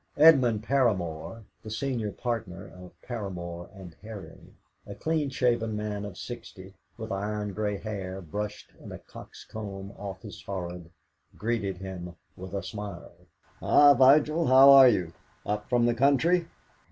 Edmund Paramor, the senior partner of Paramor and Herring, a clean shaven man of sixty, with iron grey hair brushed in a cockscomb off his forehead, greeted him with a smile. "Ah, Vigil, how are you? Up from the country?"